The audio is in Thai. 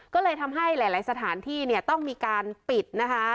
ก็เลยทำให้หลายสถานที่เนี่ยต้องมีการปิดนะคะ